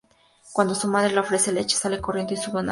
Cuando su madre le ofrece leche, sale corriendo y sube a un árbol.